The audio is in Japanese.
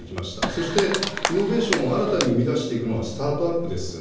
そしてイノベーションを新たに生み出していくのは、スタートアップです。